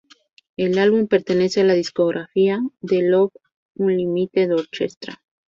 El álbum pertenece a la discografía de Love Unlimited Orchestra.